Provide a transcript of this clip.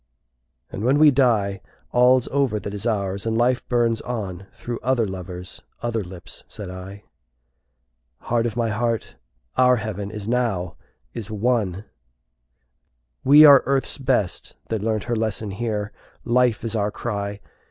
..." "And when we die All's over that is ours; and life burns on Through other lovers, other lips," said I, "Heart of my heart, our heaven is now, is won!" "We are Earth's best, that learnt her lesson here. Life is our cry.